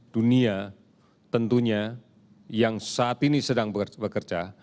dunia tentunya yang saat ini sedang bekerja